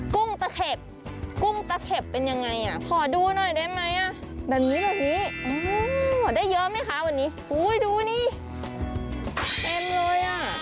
กุ้งตะเข็บกุ้งตะเข็บเป็นยังไงอ่ะขอดูหน่อยได้ไหมอ่ะแบบนี้แบบนี้ได้เยอะไหมคะวันนี้อุ้ยดูนี่เต็มเลยอ่ะ